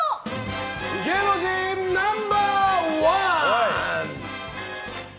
芸能人ナンバー１！